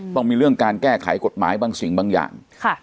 ต้องมีเรื่องการแก้ไขกฎหมายบางสิ่งบางอย่าง